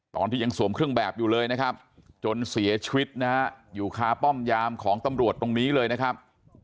ตอนที่ยังสวมเครื่องแบบอยู่เลยนะครับจนเสียชีวิตนะฮะอยู่คาป้อมยามของตำรวจตรงนี้เลยนะครับ